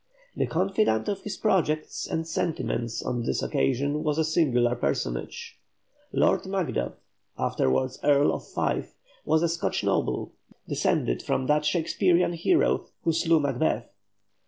The confidant of his projects and sentiments on this occasion was a singular personage. Lord Macduff, afterwards Earl of Fife, was a Scotch noble descended from that Shakespearean hero who slew Macbeth.